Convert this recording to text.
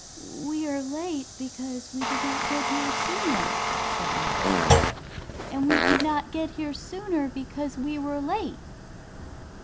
"We are late because we did not get here sooner," said the Awkward; "and we could not get here sooner because we were late."